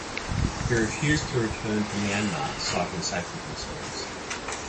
He refused to return to Myanmar citing safety concerns.